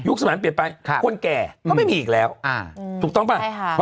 สมัยเปลี่ยนไปคนแก่ก็ไม่มีอีกแล้วถูกต้องป่ะใช่ค่ะ